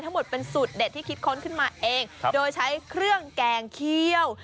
ทั้งหมดเป็นสูตรเด็ดที่คิดค้นขึ้นมาเองโดยใช้เครื่องแกงเคี่ยว